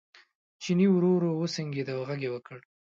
چیني ورو ورو وسونګېد او غږ یې وکړ.